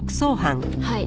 はい。